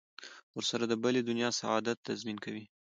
ورسره د بلې دنیا سعادت تضمین کوي.